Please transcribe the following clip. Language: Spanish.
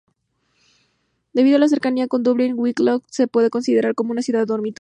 Debido a la cercanía con Dublín, Wicklow se puede considerar como una ciudad dormitorio.